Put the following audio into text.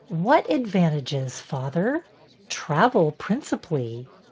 What advantages, father? "" Travel, principally."